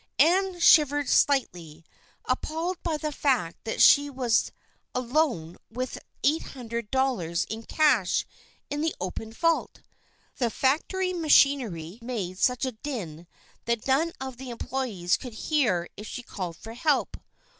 Ann shivered slightly, appalled by the fact that she was alone with eight hundred dollars in cash in the open vault. The factory machinery made such a din that none of the employees could hear if she called for help.